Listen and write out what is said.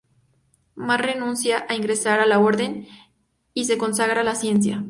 Mas renuncia a ingresar a la orden, y se consagra a la ciencia.